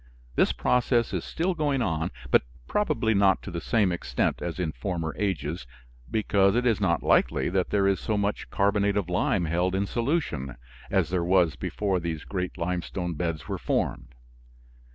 This process is still going on, but probably not to the same extent as in former ages, because it is not likely that there is so much carbonate of lime held in solution as there was before these great limestone beds were formed.